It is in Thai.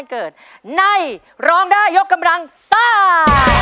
เกิดในร้องได้ยกกำลังซ่า